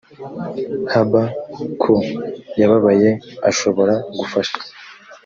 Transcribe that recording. hb ko yababaye ashobora gufasha